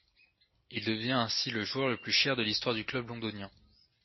Il devient ainsi le joueur le plus cher de l'Histoire du club londonien.